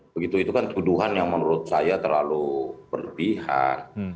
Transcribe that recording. begitu itu kan tuduhan yang menurut saya terlalu berlebihan